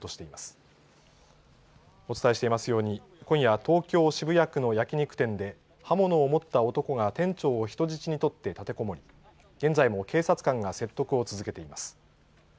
お伝えしていますように今夜、東京・渋谷区の焼き肉店で刃物を持った男が店長を人質に取って立てこもり、現在も警察官が説得を続けています。